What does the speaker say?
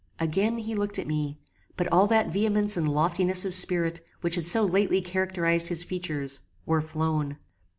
Again he looked at me, but all that vehemence and loftiness of spirit which had so lately characterized his features, were flown.